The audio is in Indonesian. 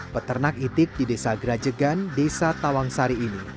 peternak itik di desa grajegan desa tawang sari ini